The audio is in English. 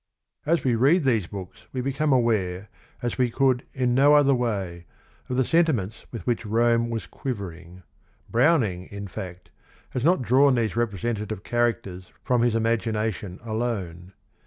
As we read these books we become aware, as we could in no other way, of the sentiments with which Rome was quivering. Browning, in fact, has not drawn these representative characters from his imagination alone.